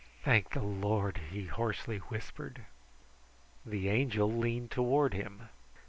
"Thank the Lord!" he hoarsely whispered. The Angel leaned toward him.